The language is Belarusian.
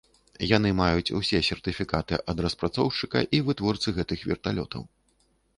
Яны маюць усе сертыфікаты ад распрацоўшчыка і вытворцы гэтых верталётаў.